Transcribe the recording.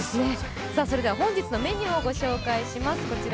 それでは本日のメニューをご紹介します。